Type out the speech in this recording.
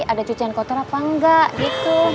ada cucian kotor apa enggak gitu